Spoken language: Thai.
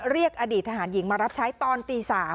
อดีตทหารหญิงมารับใช้ตอนตี๓